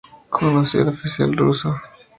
Conoció al oficial ruso, Tte.